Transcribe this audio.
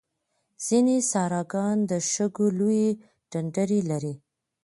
ځینې صحراګان د شګو لویې ډنډرې لري.